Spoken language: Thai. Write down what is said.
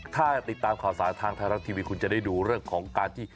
ถ้าติดตามข่าวสารทางไทยรัฐทีวีคุณจะได้ดูเรื่องของการที่